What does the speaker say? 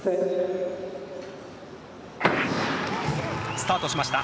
スタートしました。